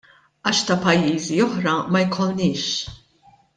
Għax ta' pajjiżi oħra, ma jkollniex.